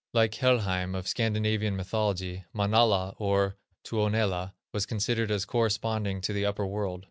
Like Helheim of Scandinavian mythology, Manala, or Tuonela, was considered as corresponding to the upper world.